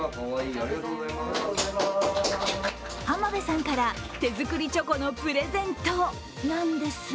浜辺さんから、手作りチョコのプレゼントなんですが。